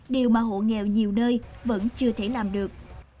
điều mà hộ nghèo nhiều nơi vẫn chưa thể làm được